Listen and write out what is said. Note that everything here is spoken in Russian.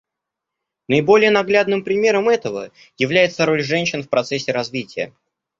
Наиболее наглядным примером этого является роль женщин в процессе развития.